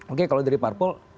oke kalau dari parpol